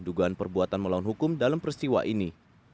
dugaan perbuatan melawan hukum dalam peristiwa ini